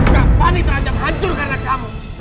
kak fani terancam hancur karena kamu